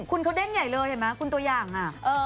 คุณเขาเด้งใหญ่เลยเห็นไหมคุณตัวอย่าง